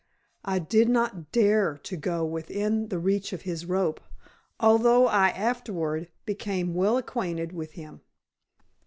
I did not dare to go within reach of his rope, although I afterwards became well acquainted with him.